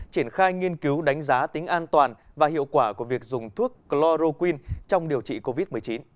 triển khai nghiên cứu đánh giá tính an toàn và hiệu quả của việc dùng thuốc chloroquine trong điều trị covid một mươi chín